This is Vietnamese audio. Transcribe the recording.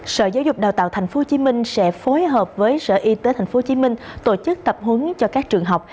sở giáo dục đào tạo tp hcm sẽ phối hợp với sở y tế tp hcm tổ chức tập huấn cho các trường học